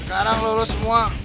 sekarang lulus semua